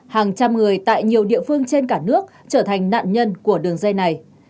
hàng trăm người tại nhiều địa phương trên cả nước trở thành nạn nhân của đường dây này